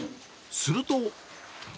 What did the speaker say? すると。